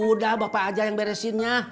udah bapak aja yang beresinnya